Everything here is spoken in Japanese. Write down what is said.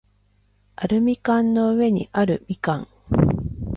アルミ缶の上にあるみかん